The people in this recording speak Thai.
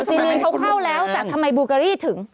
ซีรีนเขาเข้าแล้วแต่ทำไมบูเกอรี่ถึง